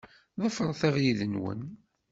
Ḍefṛet abrid-nwen.